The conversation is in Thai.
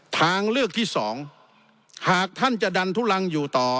ทางเลือกที่สองหากท่านจะดันทุลังอยู่ต่อ